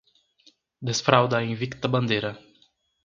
Desfralda a invicta bandeira